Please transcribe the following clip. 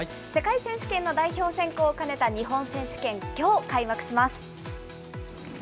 世界選手権の代表選考を兼ねた日本選手権、きょう、開幕します。